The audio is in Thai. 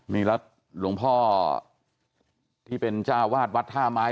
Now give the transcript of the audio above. นี่แล้วหลวงพ่อที่เป็นเจ้าวาดวัดท่าไม้